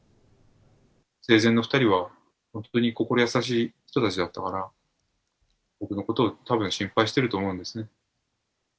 生前の２人は本当に心優しい人たちだったから、僕のこと、たぶん心配してると思うんですね。